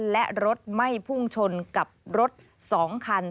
และรถไม่พุ่งชนกับรถ๒คัน